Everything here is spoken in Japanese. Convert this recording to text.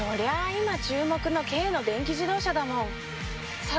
今注目の軽の電気自動車だもん。